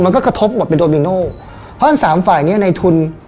มันก็กระทบหมดเป็นโดมิโนเพราะอันสามฝ่ายนี้ในทุน